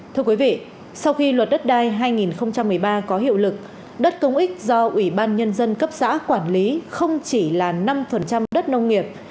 thưa quý vị sau khi luật đất đai hai nghìn một mươi ba có hiệu lực đất công ích do ủy ban nhân dân cấp xã quản lý không chỉ là năm đất nông nghiệp